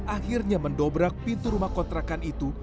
akhirnya mendobrak pintu rumah kontrakan itu